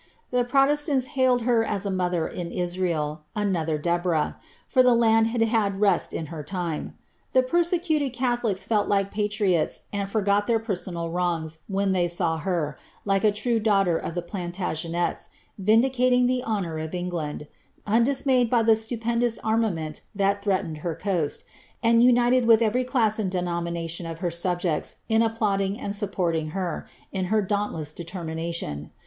The pro testanis haded her as a mother in Israel — another Deborah ; for the land had had rest in her time. The persecuted catholics felt like paiii ols, and forgot their personal wrongs, when they saw her, like a true daughter of the Plant^enets, vindicating the honour of England, unt'ir mayed by the stupendous armament tliat threatened her coast, tni united with evety class and denomination of her subjects in applaudis; and supporting her, in her dauntless determination.